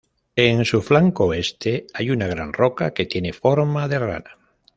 En su flanco oeste hay una gran roca que tiene forma de rana.